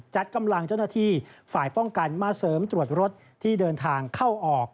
จัดกำลังเจ้าหน้าที่ฝ่ายป้องกันมาเสริมตรวจรถที่เดินทางเข้าออก